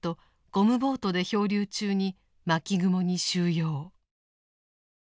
ゴムボートで漂流中に「巻雲」に収容。